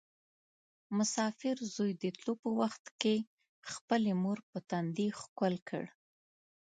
مسافر زوی د تلو په وخت کې خپلې مور په تندي ښکل کړ.